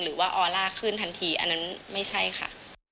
หรือว่าออลล่าขึ้นทันทีอันนั้นไม่ใช่ค่ะ